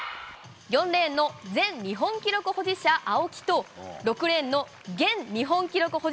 ４レーンの前日本記録保持者、青木と、６レーンの現日本記録保